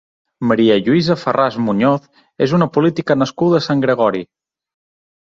Maria Lluïsa Farràs Muñoz és una política nascuda a Sant Gregori.